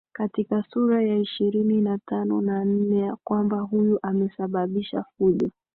katika sura ya ishirini na tano na nne ya kwamba huyu amesababisha fujo